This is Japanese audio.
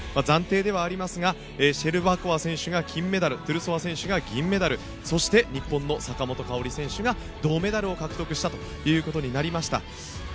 暫定ではありますがシェルバコワ選手が金メダルトゥルソワ選手が銀メダルそして日本の坂本花織選手が銅メダルを獲得したということになりました。